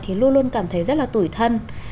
thì luôn luôn cảm thấy rất là tủi thân